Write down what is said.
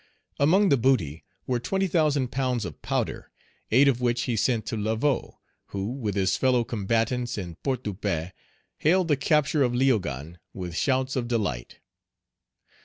Among the booty were twenty thousand pounds of powder, eight of which he sent to Laveaux, who, with his fellow combatants in Port de Paix, hailed the capture of Léogane with shouts of delight.